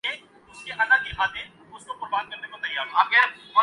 عمران خان کی تقریر کے بعد ایک بار پھر یہی فضا ہے۔